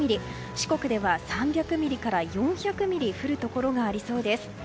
四国では３００ミリから４００ミリ降るところがありそうです。